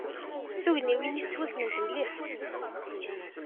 Tugniwin-nnes ttwassnent mliḥ.